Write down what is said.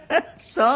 そう！